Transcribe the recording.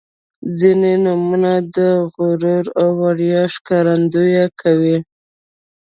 • ځینې نومونه د غرور او ویاړ ښکارندويي کوي.